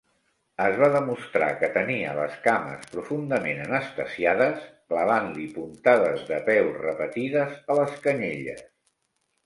Es va demostrar que tenia les cames profundament anestesiades clavant-li puntades de peu repetides a les canyelles.